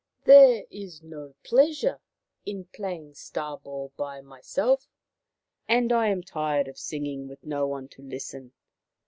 There is no pleasure in playing star ball by myself, and I am tired of singing with no one to listen.